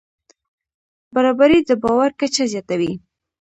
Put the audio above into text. برابري د باور کچه زیاتوي.